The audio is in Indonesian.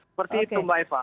seperti itu mbak eva